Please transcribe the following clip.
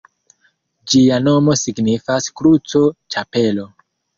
Ĝia nomo signifas “Kruco-Ĉapelo”.